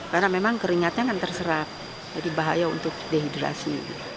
karena memang keringatnya akan terserap jadi bahaya untuk dehidrasi